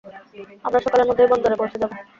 আমরা সকালের মধ্যেই বন্দরে পৌঁছে যাব।